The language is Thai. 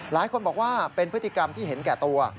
หลายคนบอกว่าเป็นพฤติกรรมที่เห็นแก่ตัว